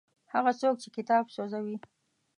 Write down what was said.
هغه څوک چې کتاب سوځوي.